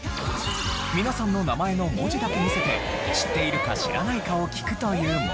皆さんの名前の文字だけ見せて知っているか知らないかを聞くというもの。